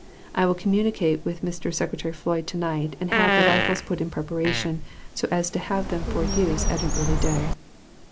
I will communicate with Mr. Secretary Floyd to night and have the rifles put in preparation so as to have them for use at an early day....